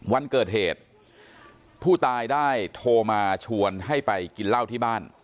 วันเกิดเหตุผู้ตายได้โทรมาชวนให้ไปกินเหล้าที่บ้าน